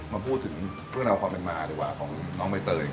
มาพูดถึงเรื่องราวความเป็นมาดีกว่าของน้องใบเตย